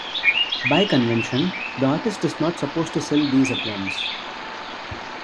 By convention, the artist is not supposed to sell these at once.